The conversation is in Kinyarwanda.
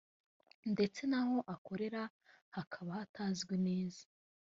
ndetse n’aho akorera hakaba hatazwi neza